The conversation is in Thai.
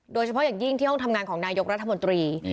โดยเฉพาะอย่างยิ่งที่ห้องทำงานของนายกรัฐมนตรี